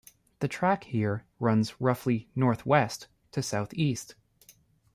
The track here runs roughly north-west to south-east.